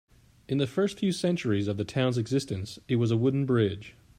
In the first few centuries of the town's existence, it was a wooden bridge.